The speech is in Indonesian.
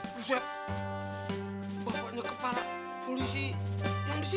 buset bapaknya kepala polisi yang disini